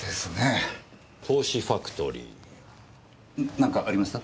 何かありました？